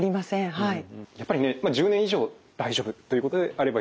はい。